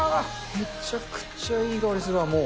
めちゃくちゃいい香りするわ、もう。